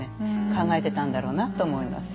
考えてたんだろうなと思います。